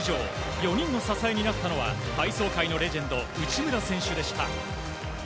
４人の支えになったのは体操界のレジェンド内村選手でした。